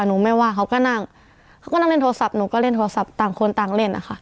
หนูไม่ว่าเขาก็นั่งเขาก็นั่งเล่นโทรศัพท์หนูก็เล่นโทรศัพท์ต่างคนต่างเล่นนะคะ